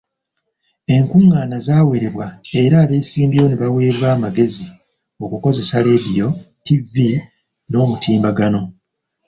Enkungaana zaawerebwa era abeesimbyewo ne baweebwa amagezi okukozesa leediyo, ttivvi n'omutimbagano.